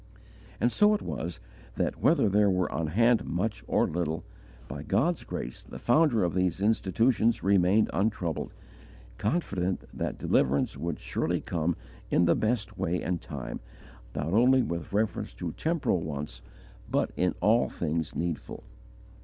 And so it was that, whether there were on hand much or little, by God's grace the founder of these institutions remained untroubled, confident that deliverance would surely come in the best way and time, not only with reference to temporal wants, but in all things needful.